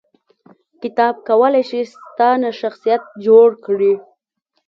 کتاب کولای شي ستا نه شخصیت جوړ کړي